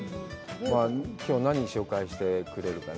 きょうは何紹介してくれるかな。